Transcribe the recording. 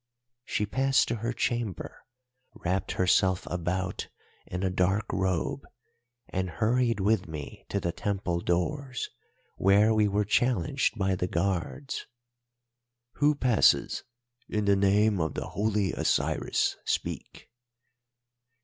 "She passed to her chamber, wrapped herself about in a dark robe, and hurried with me to the Temple doors, where we were challenged by the guards. "'Who passes? In the name of the Holy Osiris speak.